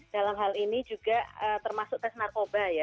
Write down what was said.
dalam hal ini juga termasuk tes narkoba ya